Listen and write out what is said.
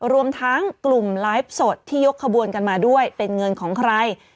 รวมทั้งกลุ่มไลฟ์สดที่ยกขบวนกันมาด้วยเป็นเงินของใคร